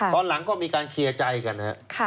ตอนหลังก็มีการเคลียร์ใจกันนะครับ